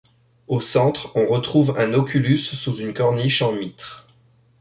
Au centre, on retrouve un oculus sous une corniche en mitre.